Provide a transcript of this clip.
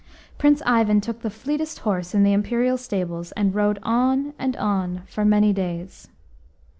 Prince Ivan took the fleetest horse in the Imperial stables, and rode on and on for many days.